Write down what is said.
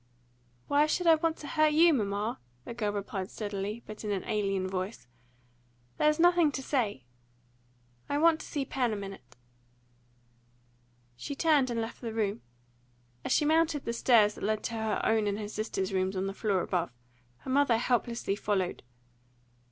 "Why should I want to hurt you, mamma?" the girl replied steadily, but in an alien voice. "There's nothing to say. I want to see Pen a minute." She turned and left the room. As she mounted the stairs that led to her own and her sister's rooms on the floor above, her mother helplessly followed.